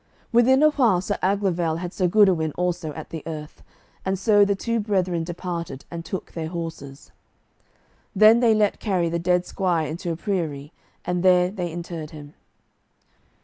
Within a while Sir Aglovale had Sir Goodewin also at the earth, and so the two brethren departed and took their horses. Then they let carry the dead squire unto a priory, and there they interred him.